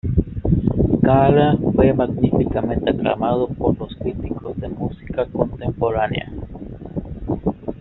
Kala fue magníficamente aclamado por los críticos de música contemporánea.